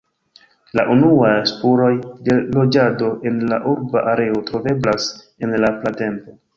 La unuaj spuroj de loĝado en la urba areo troveblas en la pratempo.